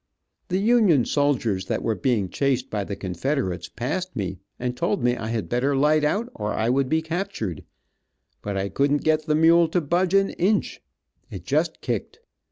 The Union soldiers that were being chased by the Confederates passed me, and told me I better light out or I would be captured, but I couldn't get the mule to budge an inch. It just kicked.